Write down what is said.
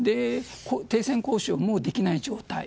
停戦交渉もできない状態。